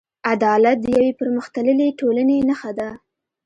عدالت د یوې پرمختللې ټولنې نښه ده.